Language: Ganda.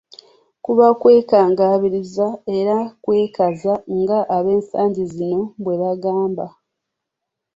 Kuba kwekangabiriza era na kwekaza, nga ab'ensangi zino bwe bagamba .